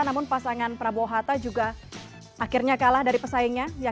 namun pasangan prabowo hatta juga akhirnya kalah dari pesaingnya